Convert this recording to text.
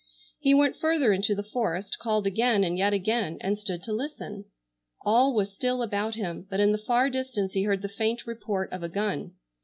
He went further into the forest, called again, and yet again, and stood to listen. All was still about him, but in the far distance he heard the faint report of a gun.